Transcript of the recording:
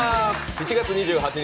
７月２８日